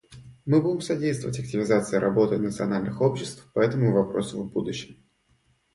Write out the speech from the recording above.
Мы будем содействовать активизации работы национальных обществ по этому вопросу в будущем.